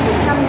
đắt cho em nhé